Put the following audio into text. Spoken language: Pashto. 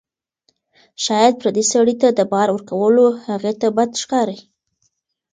ښایي پردي سړي ته د بار ورکول هغې ته بد ښکاري.